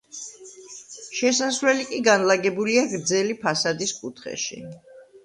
შესასვლელი კი განლაგებულია გრძელი ფასადის კუთხეში.